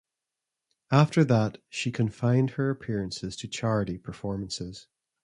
After that she confined her appearances to charity performances.